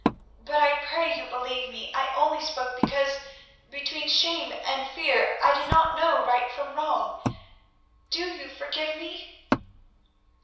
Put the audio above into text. But I pray you believe me; I only spoke because, between shame and fear, I did not know right from wrong. Do you forgive me?"